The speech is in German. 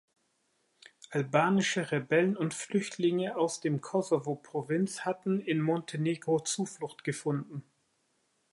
Albanische Rebellen und Flüchtlinge aus dem Kosovo-Provinz hatten in Montenegro Zuflucht gefunden.